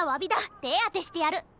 てあてしてやる！